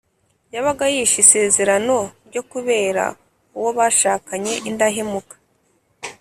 yabaga yishe isezerano ryo kubera uwo bashakanye indahemuka